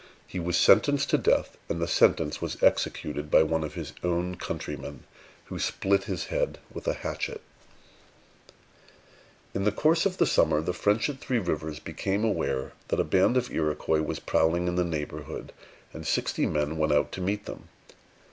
He was sentenced to death; and the sentence was executed by one of his own countrymen, who split his head with a hatchet. Ragueneau, Relation, 1650, 30. In the course of the summer, the French at Three Rivers became aware that a band of Iroquois was prowling in the neighborhood, and sixty men went out to meet them.